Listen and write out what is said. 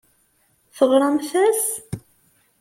Teɣramt-as?